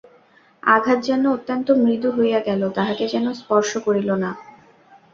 আঘাত যেন অত্যন্ত মৃদু হইয়া গেল, তাহাকে যেন স্পর্শ করিল না।